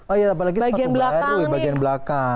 oh iya apalagi sepatu baru bagian belakang